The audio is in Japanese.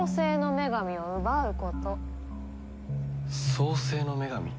創世の女神？